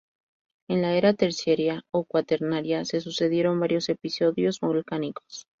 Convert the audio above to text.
En la era terciaria o cuaternaria, se sucedieron varios episodios volcánicos.